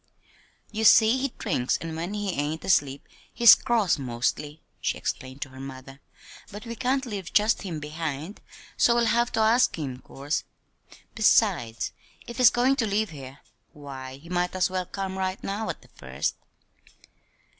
"You see he drinks, and when he ain't asleep he's cross, mostly," she explained to her mother; "but we can't leave just him behind, so we'll have to ask him, 'course. Besides, if he's goin' to live here, why, he might as well come right now at the first."